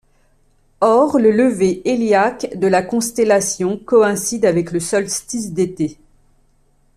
Or le lever héliaque de la constellation coïncide avec le solstice d'été.